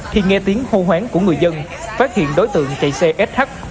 khi nghe tiếng hô hoán của người dân phát hiện đối tượng chạy xe sh